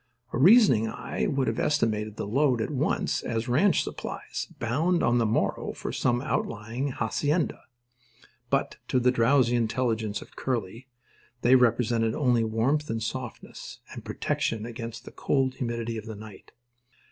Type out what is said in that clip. A reasoning eye would have estimated the load at once as ranch supplies, bound on the morrow for some outlying hacienda. But to the drowsy intelligence of Curly they represented only warmth and softness and protection against the cold humidity of the night.